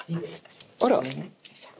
あら。